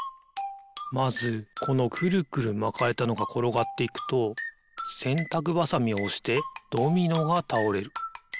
まずこのくるくるまかれたのがころがっていくとせんたくばさみをおしてドミノがたおれる。